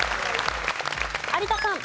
有田さん。